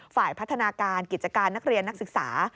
ฝ่ายพัฒนาการกิจการนักเรียนนักศึกษา